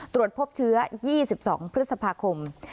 ตรวจพบเชื้อ๒๒พฤษภาคม